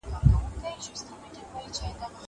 زه بايد مځکي ته وګورم!